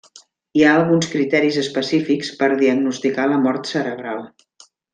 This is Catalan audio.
Hi ha alguns criteris específics per diagnosticar la mort cerebral.